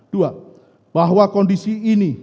dua bahwa kondisi ini